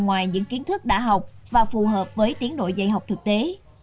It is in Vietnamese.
ngoài những kiến thức đã học và phù hợp với tiến đội dạy học thực tế